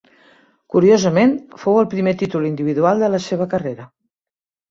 Curiosament, fou el primer títol individual de la seva carrera.